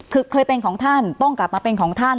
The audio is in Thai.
คือเคยเป็นของท่านต้องกลับมาเป็นของท่าน